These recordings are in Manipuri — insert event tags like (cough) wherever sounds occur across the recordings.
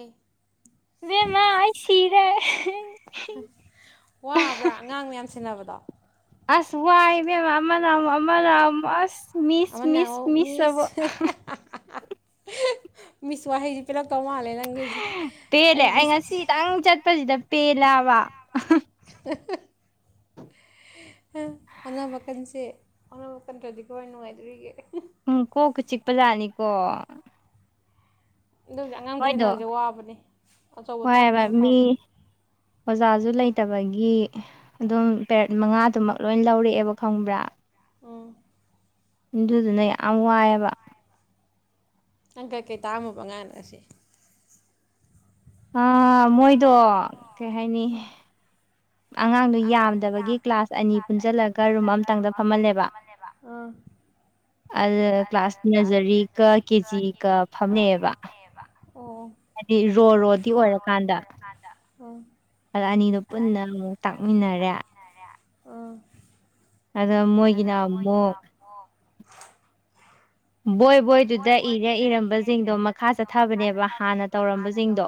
ꯑꯦ ꯃꯃ ꯁꯤꯔꯦ ꯋꯥꯕ꯭ꯔꯥ ꯑꯉꯥꯡ ꯃꯌꯥꯝ ꯁꯤꯦꯟꯅꯕꯗꯣ ꯑꯁ ꯋꯥꯏꯍꯤ ꯃꯦꯝ ꯃꯃꯅ ꯃꯃꯅꯝ ꯑꯁ ꯃꯤꯁ ꯑꯃꯅ ꯃꯤꯁ ꯑꯕꯨ ꯃꯤꯁ ꯃꯤꯆ ꯋꯥ ꯍ ꯄꯤꯂ ꯀꯧ ꯃꯥꯜꯂꯦ ꯅꯪꯒꯤꯁꯦ ꯑꯩ ꯄꯦꯂꯥꯋꯥ (inaudible) ꯍꯣꯅꯥꯕ ꯀꯟꯁꯦ ꯍꯅꯥ ꯀꯟꯗ꯭ꯔꯗꯤ ꯀꯃꯥꯏ ꯅꯨꯡꯉꯥꯏꯗꯣꯔꯤꯒꯦ ꯄꯖꯥꯅꯤꯀꯣ ꯑꯗꯨꯒ ꯑꯉꯥꯡ ꯀꯁꯟꯅ ꯍꯧꯁꯦ ꯋꯥꯕꯅꯤ ꯑꯆꯧꯕ ꯋꯥꯏꯑꯦꯕ ꯇꯥꯛꯀꯤꯅ ꯐꯕꯅꯦ ꯐꯠꯇꯕꯒꯤ ꯑꯗꯨꯝ ꯄꯦꯔꯠ ꯃꯉꯥꯗꯨꯃꯛ ꯂꯣꯏ ꯂꯧꯔꯛꯑꯦꯕ ꯈꯪꯕ꯭ꯔꯥ ꯎꯝ ꯑꯗꯨꯗꯨꯅ ꯌꯥꯝ ꯋꯥꯏꯑꯕ ꯑꯪꯀꯀꯩ ꯇꯥꯝꯃꯕ ꯉꯥꯡꯅꯁꯦ ꯑ ꯃꯣꯏꯗꯣ ꯀꯩ ꯍꯥꯏꯅꯤ ꯑꯉꯥꯡꯗꯨ ꯌꯥꯝꯗꯕꯒꯤ ꯀ꯭ꯂꯥꯁ ꯑꯅꯤ ꯄꯨꯟꯁꯤꯜꯂꯒ ꯔꯨꯝ ꯑꯃꯇꯪꯗ ꯐꯝꯍꯜꯂꯦꯕ ꯑꯥ ꯑꯗ ꯀ꯭ꯂꯥꯁ ꯅꯔꯖꯔꯤꯒ ꯀꯦ ꯖꯤꯒ ꯐꯝꯅꯩꯑꯕ ꯑꯣ ꯍꯥꯏꯗꯤ ꯔꯣ ꯔꯣꯗꯤ ꯑꯣꯏꯔꯀꯥꯟꯗ ꯑꯥ ꯑ ꯑꯅꯤꯗꯣ ꯄꯨꯟꯅ ꯑꯃꯨꯛ ꯇꯥꯛꯃꯤꯟꯅꯔꯦ ꯑꯥ ꯑꯗ ꯃꯣꯏꯒꯤꯅ ꯑꯃꯨꯛ ꯕꯣꯏ ꯕꯣꯏꯗꯨꯗ ꯏꯔ ꯏꯔꯝꯕꯁꯤꯡꯗꯣ ꯃꯈꯥ ꯆꯠꯊꯕꯅꯦꯕ ꯍꯥꯟꯅ ꯇꯧꯔꯝꯕꯁꯤꯡꯗꯣ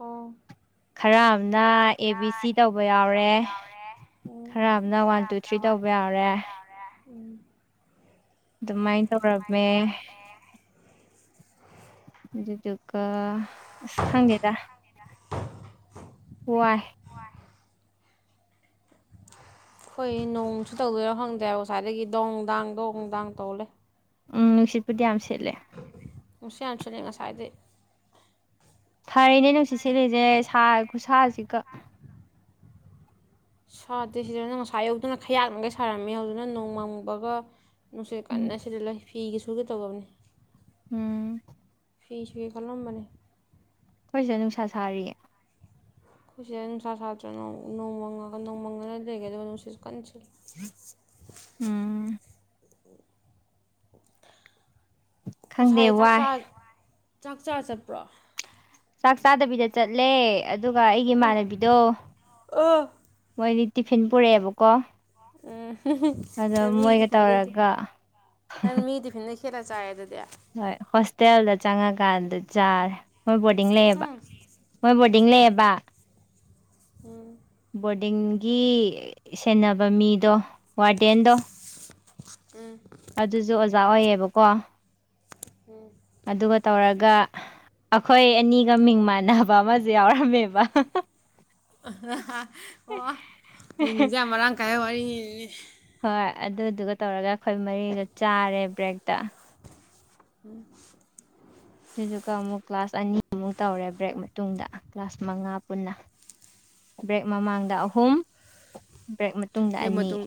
ꯑꯣ ꯈꯔ ꯑꯃꯅ ꯑꯦ ꯕꯤ ꯁꯤ ꯇꯧꯕ ꯌꯥꯎꯔꯦ ꯈꯔ ꯑꯃꯅ ꯋꯥꯟ ꯇꯨ ꯊ꯭ꯔꯤ ꯇꯧꯕ ꯌꯥꯎ ꯇꯧꯕ ꯌꯥꯎꯔꯦ ꯎꯝ ꯑꯗꯨꯃꯥꯏꯅ ꯇꯧꯔꯝꯃꯦ ꯑꯗꯨꯗꯨꯒ ꯑꯁ ꯈꯪꯗꯦꯗ ꯋꯥꯏ ꯍꯣꯏ ꯅꯣꯡ ꯅꯨꯡꯁꯤꯠ ꯇꯧꯗꯣꯏꯔ ꯈꯪꯗꯦꯕ ꯉꯁꯥꯏꯗꯒꯤ ꯗꯣꯡ ꯗꯥꯡ ꯗꯣꯡꯗꯥꯡ ꯇꯧꯂꯩ ꯎꯝ ꯅꯨꯡꯁꯤꯠꯄꯨꯗꯤ ꯌꯥꯝ ꯁꯤꯠꯂꯦ ꯅꯨꯡꯁꯤꯠ ꯌꯥꯝ ꯁꯤꯟꯂꯤ ꯉꯁꯥꯏꯗꯩ ꯐꯔꯤꯅꯦ ꯅꯨꯡꯁꯤꯠ ꯁꯦꯠꯂꯤꯁꯦ ꯁꯥꯏ ꯈꯨꯠꯁꯥꯁꯤꯒ ꯁꯥꯗꯦ ꯁꯤꯗꯅ ꯉꯁꯥꯏ ꯑꯌꯨꯛꯗꯅ ꯈꯌꯥꯛꯅꯈꯩ ꯁꯥꯔꯝꯃꯦ ꯍꯧꯖꯤꯛꯅ ꯅꯣꯡꯃꯪꯕꯒ ꯅꯨꯡꯁꯤ ꯎꯝ ꯀꯟꯅ ꯁꯤꯠꯂ ꯂꯩ ꯐꯤꯒꯤ ꯁꯨꯒꯦ ꯇꯧꯕꯅꯤ ꯎꯝ ꯐꯤ ꯁꯨꯒꯦ ꯈꯜꯂꯝꯕꯅꯦ ꯈꯣꯏꯁꯤꯗ ꯅꯨꯡꯁꯥ ꯁꯥꯔꯤꯌꯦ ꯑꯩꯈꯣꯏ ꯁꯤꯗ ꯅꯨꯡꯁꯥ ꯁꯥꯗ꯭ꯔꯦ ꯅꯣꯡꯃꯪꯉꯒ ꯅꯣꯡꯃꯪꯉꯒ ꯂꯩꯒꯦ ꯅꯨꯡꯁꯤꯠꯁ ꯀꯟ ꯎꯝ ꯉꯁꯥꯏ ꯈꯪꯗꯦ ꯋꯥꯏ ꯆꯥꯛꯆꯥ ꯆꯥꯛꯆꯥꯥꯔ ꯆꯠꯄ꯭ꯔꯣ ꯆꯥꯛ ꯆꯥꯗꯕꯤꯗ ꯆꯠꯂꯦ ꯑꯗꯨꯒ ꯑꯩꯒꯤ ꯏꯃꯥꯟꯅꯕꯤꯗꯣ ꯑꯥ ꯃꯣꯏꯗꯤ ꯇꯤꯐꯤꯟ ꯄꯨꯔꯛꯑꯦꯕꯀꯣ ꯎꯝ ꯑꯗꯣ ꯅꯪ ꯃꯤꯒꯤ ꯃꯣꯏꯒ ꯇꯤꯐꯤꯟꯗꯒꯤ ꯇꯧꯔꯒ ꯅꯪꯗꯤ ꯃꯤꯒꯤ ꯐꯤꯟꯗꯒꯤ ꯈꯦꯠꯂ ꯆꯥꯔꯦ ꯑꯗꯨꯗꯤ ꯍꯣꯏ ꯍꯣꯁꯇꯦꯜꯗ ꯆꯪꯉꯀꯥꯟꯗ ꯆꯥꯔꯦ ꯃꯣꯏ ꯕꯣꫪꯗꯤꯡ ꯂꯩꯌꯦꯕ ꯎꯝ ꯃꯣꯏ ꯕꯣꫪꯗꯤꯡ ꯄꯤꯡ ꯂꯩꯔꯕ ꯎꯝ ꯕꯣꯔꯗꯤꯡꯒꯤ ꯁꯦꯟꯅꯕ ꯃꯤꯗꯣ ꯋꯥꫪꯗꯦꯟꯗꯣ ꯑꯗꯨꯁꯨ ꯑꯣꯖꯥ ꯑꯣꯏꯌꯦꯕꯀꯣ ꯎꯝ ꯑꯗꯨꯒ ꯇꯧꯔꯒ ꯑꯩꯈꯣꯏ ꯑꯅꯤꯒ ꯃꯤꯡ ꯃꯥꯟꯅꯕ ꯑꯃꯁꯨ ꯌꯥꯎꯔꯝꯃꯦꯕ ꯑꯣ ꯌꯦꯡꯖꯦ ꯃꯔꯥꯡ ꯀꯥꯏ ꯋꯥꯔꯤꯅꯤ ꯍꯣꯏ ꯑꯗꯨꯗꯨꯒ ꯇꯧꯔꯒ ꯑꯩꯈꯣꯏ ꯃꯔꯤꯗ ꯆꯥꯔꯦ ꯕ꯭ꯔꯦꯛꯇ ꯎꯝ ꯑꯗꯨꯗꯨꯒ ꯑꯃꯨꯛ ꯀ꯭ꯂꯥꯁ ꯑꯅꯤꯃꯨꯛ ꯇꯧꯔꯦ ꯕ꯭ꯔꯦꯛ ꯃꯇꯨꯡꯗ ꯀ꯭ꯂꯥꯁ ꯃꯉꯥ ꯄꯨꯟꯅ ꯕ꯭ꯔꯦꯛ ꯃꯃꯥꯡꯗ ꯑꯍꯨꯝ ꯕ꯭ꯔꯦꯛ ꯃꯇꯨꯡꯗ ꯕ꯭ꯔꯦꯛ ꯑꯅꯤ ꯃꯇꯨꯡ